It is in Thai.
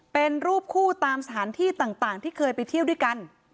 เป็นรูปคู่ตามสถานที่ต่างที่เคยไปเที่ยวด้วยกัน